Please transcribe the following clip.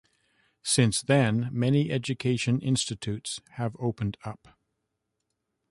Since then many education institutes have opened up.